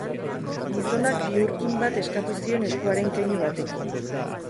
Gizonak bihurkin bat eskatu zion eskuaren keinu batekin.